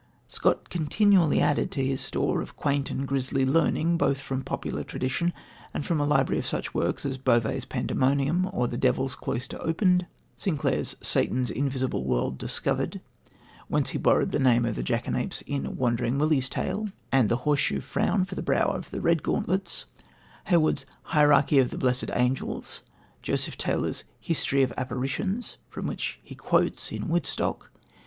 Scott continually added to his store of quaint and grisly learning both from popular tradition and from a library of such works as Bovet's Pandemonium, or the Devil's Cloyster Opened, Sinclair's Satan's Invisible World Discovered, whence he borrowed the name of the jackanapes in Wandering Willie's Tale, and the horse shoe frown for the brow of the Redgauntlets, Heywood's Hierarchy of the Blessed Angels, Joseph Taylor's History of Apparitions, from which he quotes in Woodstock.